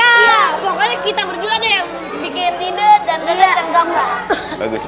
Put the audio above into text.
iya pokoknya kita berdua deh yang bikin ide dan dendam